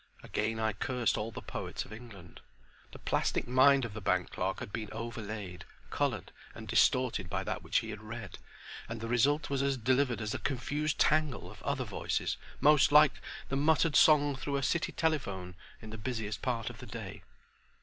Again I cursed all the poets of England. The plastic mind of the bank clerk had been overlaid, colored and distorted by that which he had read, and the result as delivered was a confused tangle of other voices most like the muttered song through a City telephone in the busiest part of the day.